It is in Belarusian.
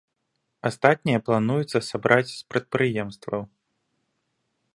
Астатняе плануецца сабраць з прадпрыемстваў.